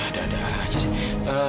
ada ada aja sih